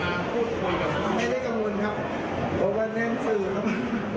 ยังไม่มีฝ่ายกล้องในมือครับแต่ว่าก็บอกว่ายังไม่มีฝ่ายกล้อง